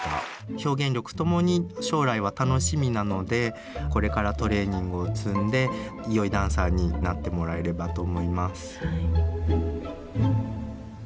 表現力ともに将来は楽しみなのでこれからトレーニングを積んでよいダンサーになってもらえればと思います。